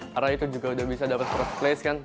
karena itu juga udah bisa dapet first place kan